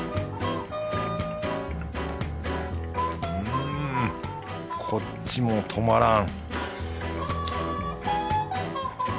んこっちも止まらん